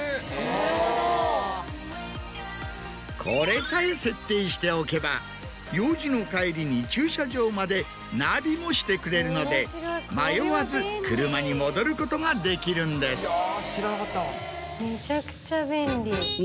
これさえ設定しておけば用事の帰りに駐車場までナビもしてくれるので迷わず車に戻ることができるんです。